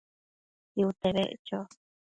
Tsiute beccho